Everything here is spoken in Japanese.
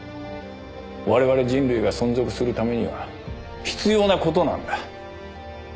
我々人類が存続するためには必要なことなんだ。